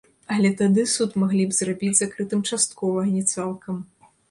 Але тады суд маглі б зрабіць закрытым часткова, а не цалкам.